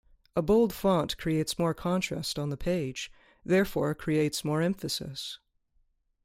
A bold font creates more contrast on the page, therefore creates more emphasis.